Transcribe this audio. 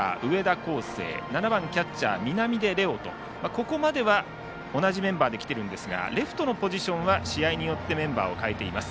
７番までは同じメンバーですがレフトのポジションは試合によってメンバーを変えています。